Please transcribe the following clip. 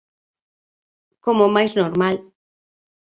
Como o máis normal.